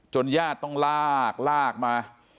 จนญาติต้องลากมา